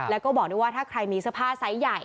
แล้วก็บอกด้วยว่าถ้าใครมีเสื้อผ้าไซส์ใหญ่